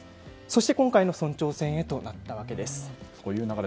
そして今回の村長選へとなったわけです。